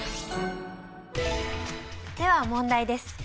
では問題です。